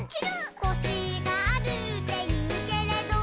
「コシがあるっていうけれど」